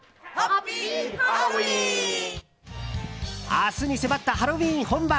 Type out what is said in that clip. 明日に迫ったハロウィーン本番。